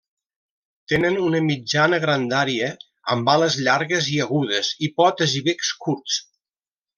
Tenen una mitjana grandària, amb ales llargues i agudes i potes i becs curts.